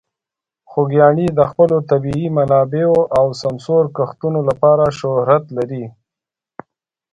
خوږیاڼي د خپلو طبیعي منابعو او سمسور کښتونو لپاره شهرت لري.